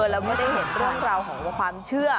แล้วเมื่อได้เห็นเรื่องราวของความเชื่อ